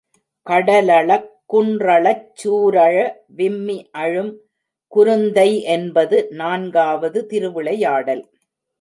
கடலழக் குன்றழச் சூரழ விம்மி அழும், குருந்தை என்பது நான்காவது திருவிளையாடல்.